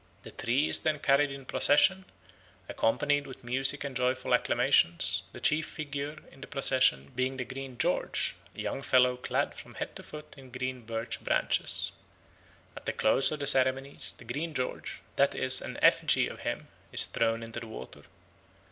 The tree is then carried in procession, accompanied with music and joyful acclamations, the chief figure in the procession being the Green George, a young fellow clad from head to foot in green birch branches. At the close of the ceremonies the Green George, that is an effigy of him, is thrown into the water.